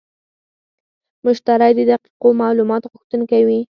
مشتری د دقیقو معلوماتو غوښتونکی وي.